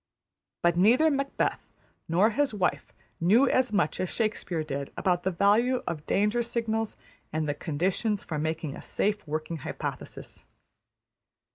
But neither Macbeth nor his wife knew as much as Shakespeare did about the value of danger signals and the conditions for making a safe working hypothesis.